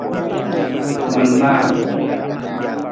Manaa.